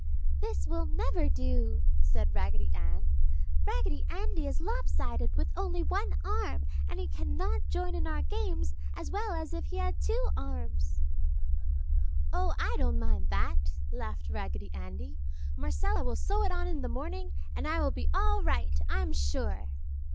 "This will never do!" said Raggedy Ann. "Raggedy Andy is lopsided with only one arm and he cannot join in our games as well as if he had two arms!" [Illustration: Pillow fight] "Oh, I don't mind that!" laughed Raggedy Andy. "Marcella will sew it on in the morning and I will be all right, I'm sure!"